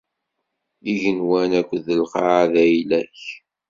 Igenwan akked lqaɛa d ayla-k!